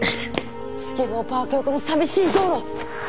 スケボーパーク横の寂しい道路。